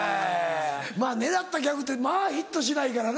まぁ狙ったギャグってまぁヒットしないからな。